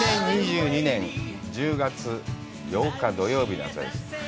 ２０２２年１０月８日、土曜日の朝です。